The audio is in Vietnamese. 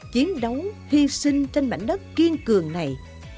chiến đấu hy sinh trên mảnh đất kiên cường này